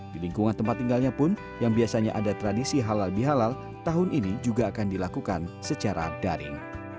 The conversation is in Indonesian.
di lingkungan tempat tinggalnya pun yang biasanya ada tradisi halal bihalal tahun ini juga akan dilakukan secara daring